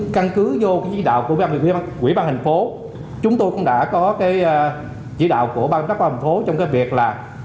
căn cứ vô cái dự đạo của quỹ ban thành phố chúng tôi cũng đã có cái dự đạo của ban phát ban thành phố trong cái việc là